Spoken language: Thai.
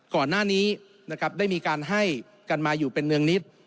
ก่อนหน้านี้นะครับได้มีการให้กันมาอยู่เป็นเนืองนิด